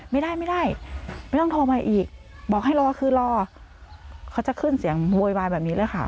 ไม่ได้ไม่ได้ไม่ต้องโทรมาอีกบอกให้รอคือรอเขาจะขึ้นเสียงโวยวายแบบนี้เลยค่ะ